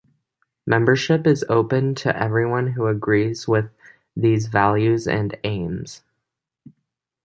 Membership is open to everyone who agrees with these values and aims.